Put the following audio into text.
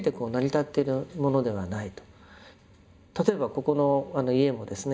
例えばここの家もですね